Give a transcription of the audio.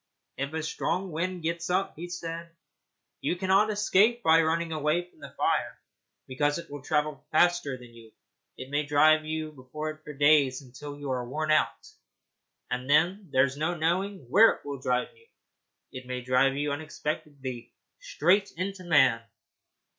'If a strong wind gets up,' he said, 'you cannot escape by running away from the fire, because it will travel faster than you. It may drive you before it for days, until you are worn out, and there's no knowing where it will drive you. It may drive you unexpectedly straight into man.